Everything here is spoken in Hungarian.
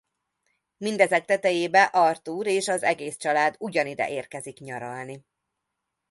Mindezek tetejébe Arthur és az egész család ugyanide érkezik nyaralni.